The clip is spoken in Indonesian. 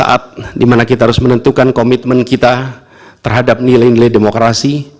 saat dimana kita harus menentukan komitmen kita terhadap nilai nilai demokrasi